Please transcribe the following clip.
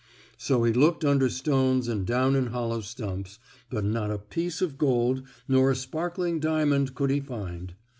So he looked under stones and down in hollow stumps, but not a piece of gold nor a sparkling diamond could he find.